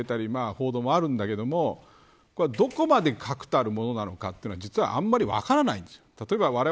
週刊誌の報道もあるんだけどこれはどこまで確たるものなのかというのは、実はあんまり分からないんです。